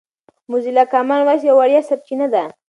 موزیلا کامن وایس یوه وړیا سرچینه ده.